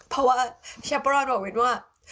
เพราะว่าเชปรอนบอกมินว่า